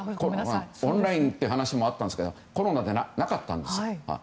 オンラインという話もあったんですけどコロナでなかったんです。